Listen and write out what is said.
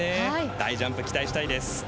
大ジャンプ期待したいです。